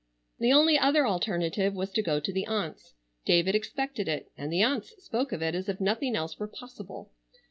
The only other alternative was to go to the aunts. David expected it, and the aunts spoke of it as if nothing else were possible.